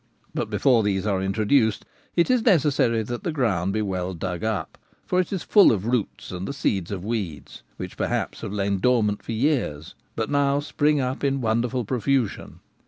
But before these are introduced it is necessary that the ground be well dug up, for it is full of roots and the seeds of weeds, which perhaps have lain dormant for years, but now spring up in wonderful profusion.